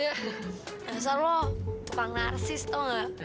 ya asal lu pang narsis tau gak